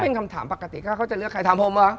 เป็นคำถามปกติถ้าเขาจะเลือกใครถามผมว่ะ